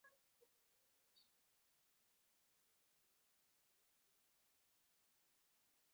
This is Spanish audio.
Hubo muchos pioneros y este breve resumen no los menciona todos.